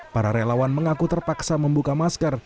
para relawan mengaku terpaksa membuka masker